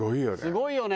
すごいよね！